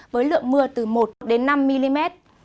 với lượng mưa từ một đến năm mm